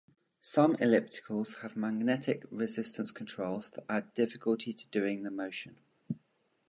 Some ellipticals have magnetic resistance controls that add difficulty to doing the motion.